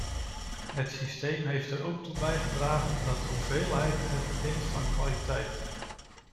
Het systeem heeft er ook toe bijgedragen dat hoeveelheid het wint van kwaliteit!